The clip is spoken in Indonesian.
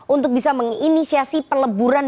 untuk bisa menginisiasi peleburan